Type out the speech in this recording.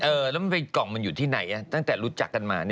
แล้วเนี่ยเป็นกล่องคะอยู่ที่ไหนตั้งแต่รู้จักกันมาเนี่ย